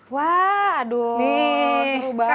wah aduh seru banget